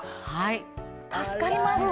助かります。